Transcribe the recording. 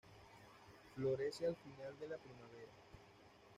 Florece al final de la primavera.